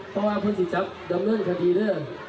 ตลาดพวกสิจั๊บดำเนินคดีเรื่อง